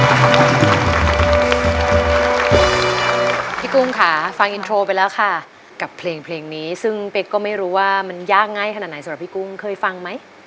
พี่กุ้งค่ะฟังอินโทรไปแล้วค่ะกับเพลงนี้ซึ่งเป๊กก็ไม่รู้ว่ามันยากง่ายขนาดไหนสำหรับพี่กุ้งเคยฟังไหม